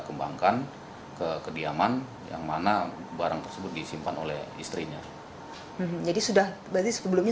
kembangkan ke kediaman yang mana barang tersebut disimpan oleh istrinya jadi sudah berarti sebelumnya